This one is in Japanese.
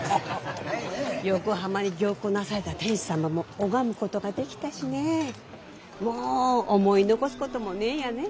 横浜に行幸なされた天子様も拝むことができたしねぇもう思い残すこともねぇやねぇ。